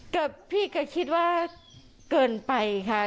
กับพี่ก็คิดว่าเกินไปค่ะ